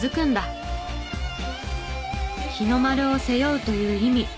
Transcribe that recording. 日の丸を背負うという意味。